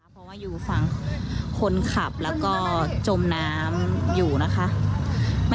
เพราะว่าจมน้ำอยู่นะคะ